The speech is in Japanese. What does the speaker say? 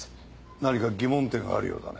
何か疑問点があるようだね。